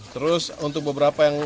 terus untuk beberapa yang